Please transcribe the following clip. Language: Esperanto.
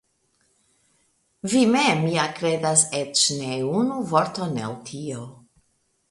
Vi mem ja kredas eĉ ne unu vorton el tio.